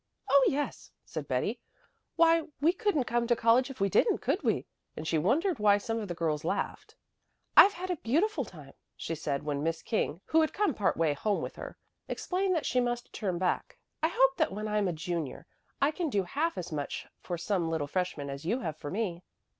"Oh, yes," said Betty. "Why, we couldn't come to college if we didn't, could we?" And she wondered why some of the girls laughed. "I've had a beautiful time," she said, when Miss King, who had come part way home with her, explained that she must turn back. "I hope that when I'm a junior I can do half as much for some little freshman as you have for me."